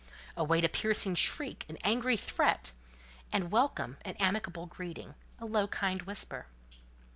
Await a piercing shriek, an angry threat, and welcome an amicable greeting, a low kind whisper.